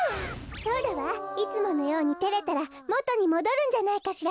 そうだわいつものようにてれたらもとにもどるんじゃないかしら？